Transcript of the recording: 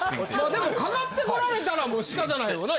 でもかかってこられたらもう仕方ないよな。